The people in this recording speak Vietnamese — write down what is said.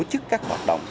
để tổ chức các hoạt động